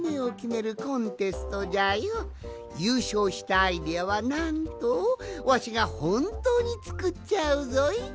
ゆうしょうしたアイデアはなんとわしがほんとうにつくっちゃうぞい！